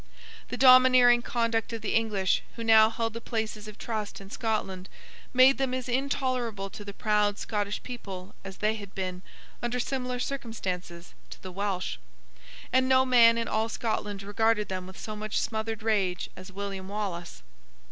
The domineering conduct of the English who now held the places of trust in Scotland made them as intolerable to the proud Scottish people as they had been, under similar circumstances, to the Welsh; and no man in all Scotland regarded them with so much smothered rage as William Wallace.